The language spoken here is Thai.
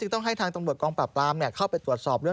ต้องให้ทางตำรวจกองปราบปรามเข้าไปตรวจสอบเรื่อง